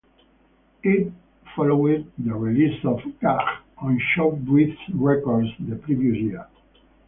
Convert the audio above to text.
It followed the release of "Galang" on Showbiz Records the previous year.